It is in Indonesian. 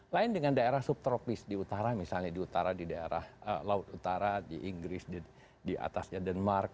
lain dengan daerah subtropis di utara misalnya di utara di daerah laut utara di inggris di atasnya denmark